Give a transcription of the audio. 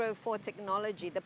jadi dengan teknologi euro empat ini